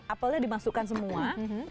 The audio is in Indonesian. apelnya dimasukkan semua